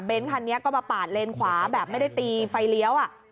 คันนี้ก็มาปาดเลนขวาแบบไม่ได้ตีไฟเลี้ยว